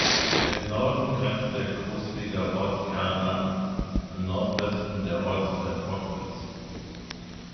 Im Norden grenzt der Coswiger Ortskern an, im Nordwesten der Ortsteil Brockwitz.